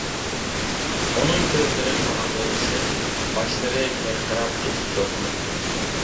ئۇنىڭ كۆزلىرى قاراڭغۇلىشىپ باشلىرى پىرقىراپ كېتىپتۇ.